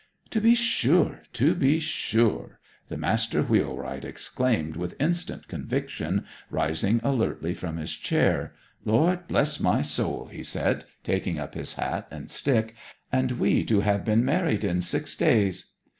'To be sure; to be sure,' the master wheelwright exclaimed with instant conviction, rising alertly from his chair. 'Lord bless my soul,' he said, taking up his hat and stick, 'and we to have been married in six days!